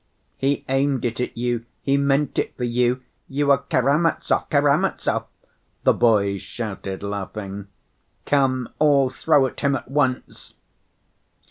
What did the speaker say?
"He aimed it at you, he meant it for you. You are Karamazov, Karamazov!" the boys shouted, laughing. "Come, all throw at him at once!"